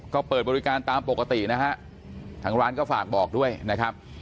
ก็เปิดบริการตามปกตินะฮะทางร้านก็ฝากบอกด้วยนะครับ